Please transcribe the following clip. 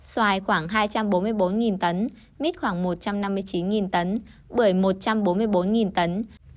xoài khoảng hai trăm bốn mươi bốn tấn mít khoảng một trăm năm mươi chín tấn bưởi một trăm bốn mươi bốn tấn